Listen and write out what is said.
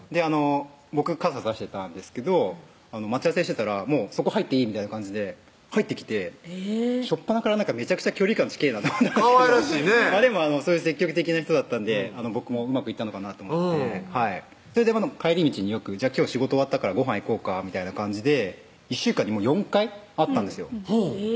僕傘差してたんですけど待ち合わせしてたら「そこ入っていい？」みたいな感じで入ってきて初っぱなからめちゃくちゃ距離感近ぇなと思ったんですけどそういう積極的な人だったんで僕もうまくいったのかなと思ってそれで帰り道によく「今日仕事終わったからごはん行こうか」みたいな感じで１週間に４回会ったんですよ